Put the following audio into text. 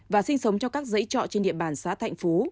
và sinh sống cho các dãy trọ trên địa bàn xá thạnh phú